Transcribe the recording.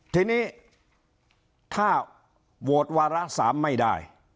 ทีนี้ถ้าโหวตวาระ๓ไม่ได้